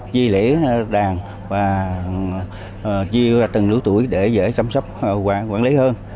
chi lễ đàn và chi ra từng lũ tuổi để dễ chăm sóc quản lý hơn